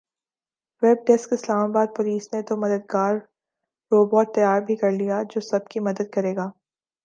web desk Islamabad police نے تو مددگار روبوٹ تیار بھی کرلیا جو سب کی مدد کرے گا